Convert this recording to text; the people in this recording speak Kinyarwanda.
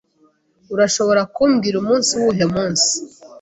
Urashobora kumbwira umunsi uwuhe munsi?